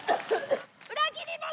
裏切り者！